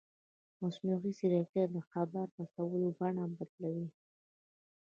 مصنوعي ځیرکتیا د خبر رسولو بڼه بدلوي.